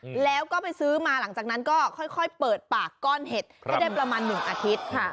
แล้วก็ไปซื้อมาหลังจากนั้นก็ค่อยค่อยเปิดปากก้อนเห็ดให้ได้ประมาณหนึ่งอาทิตย์ค่ะ